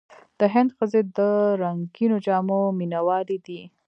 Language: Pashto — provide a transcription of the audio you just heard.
د هند ښځې د رنګینو جامو مینهوالې دي.